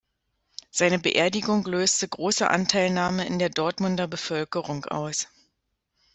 Seine Beerdigung löste große Anteilnahme in der Dortmunder Bevölkerung aus.